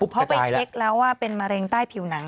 เพราะไปเช็คแล้วว่าเป็นมะเร็งใต้ผิวหนัง